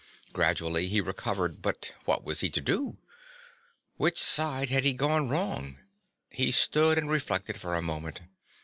Gradually he recovered, but what was he to do? Which side had he gone wrong? He stood and reflected for a moment.